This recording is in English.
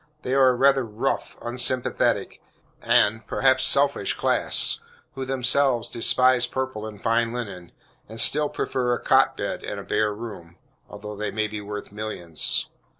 They are a rather rough, unsympathetic, and, perhaps, selfish class, who, themselves, despise purple and fine linen, and still prefer a cot bed and a bare room, although they may be worth millions.